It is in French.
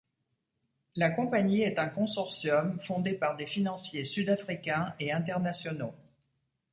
La compagnie est un consortium fondé par des financiers sud-africains et internationaux.